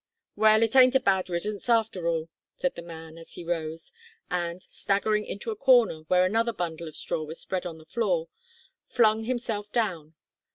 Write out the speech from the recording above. "Well it ain't a bad riddance, after all," said the man, as he rose, and, staggering into a corner where another bundle of straw was spread on the floor, flung himself down.